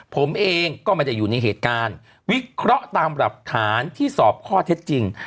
ผมเองก็ไม่ได้อยู่ในเหตุการณ์วิเคราะห์ตามหลักฐานที่สอบข้อเท็จจริง